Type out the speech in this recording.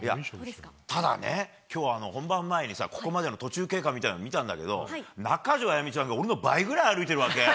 ただ、今日、本番前にここまでの途中経過見たんだけど中条あやみちゃんが俺の倍ぐらい歩いてるわけ。